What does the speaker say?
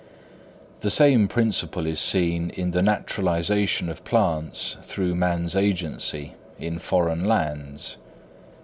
The same principle is seen in the naturalisation of plants through man's agency in foreign lands.